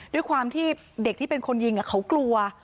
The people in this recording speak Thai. ด้วยความที่เด็กที่เป็นคนยิงเขากลัว